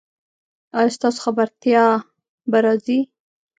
ایا ستاسو خبرتیا به راځي؟